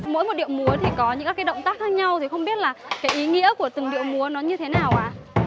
mỗi một điệu múa có những động tác khác nhau không biết ý nghĩa của từng điệu múa như thế nào ạ